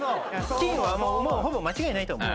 キンはほぼ間違いないと思う。